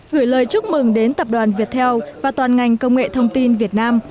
gửi lời chúc mừng đến tập đoàn viettel và toàn ngành công nghệ thông tin việt nam